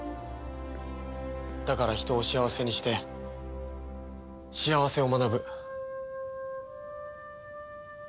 だから人を幸せにして幸せを学ぶ。